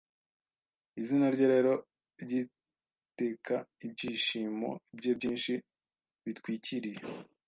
izina rye rero ryitekaIbyishimo bye byinshi bitwikiriye